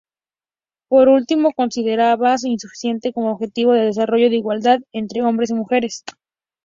Por último, consideraba insuficiente como objetivo del desarrollo la igualdad entre hombres y mujeres.